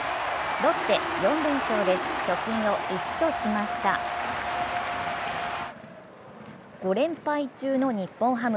ロッテ、４連勝で貯金を１としました５連敗中の日本ハム。